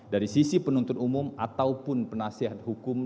dari sisi penuntut umum ataupun penasihat hukum